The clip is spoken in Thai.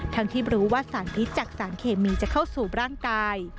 ที่รู้ว่าสารพิษจากสารเคมีจะเข้าสู่ร่างกาย